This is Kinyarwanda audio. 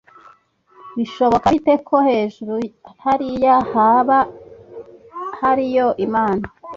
bishoboka bite ko hejuru hariya haba hariyo Imana